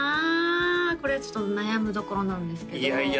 これはちょっと悩みどころなんですけどいやいや